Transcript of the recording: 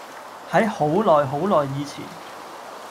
喺好耐好耐以前